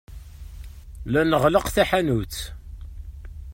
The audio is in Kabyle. La nɣelleq taḥanut.